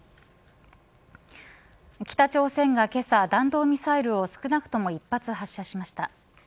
北朝鮮が、けさ弾道ミサイルを少なくとも１発発射しました。